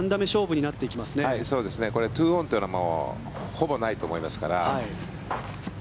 これ、２オンというのはほぼないと思いますから。